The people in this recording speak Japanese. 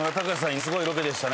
すごいロケでしたね